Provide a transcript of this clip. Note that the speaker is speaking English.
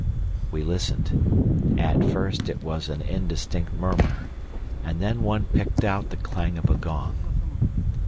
We listened. At first it was an indistinct murmur, and then one picked out the clang of a gong.